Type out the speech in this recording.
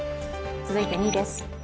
続いて２位です。